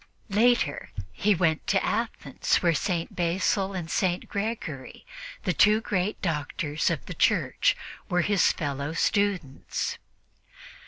Later he went to Athens, where St. Basil and St. Gregory, the two great doctors of the Church, were his fellow students.